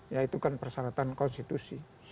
ya itu kan persyaratan konstitusi